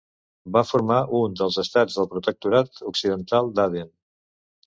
Va formar un dels estats del Protectorat Occidental d'Aden.